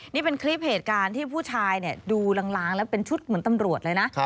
นี่เป็นคลิปเหตุการณ์ที่ผู้ชายดูล้างแล้วเป็นชุดเหมือนตำรวจเลยนะ